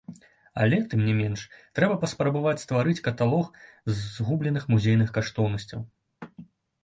Але, тым не менш, трэба паспрабаваць стварыць каталог згубленых музейных каштоўнасцяў.